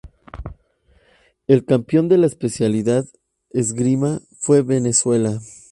El campeón de la especialidad Esgrima fue Venezuela.